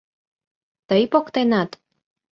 — Тый поктенат?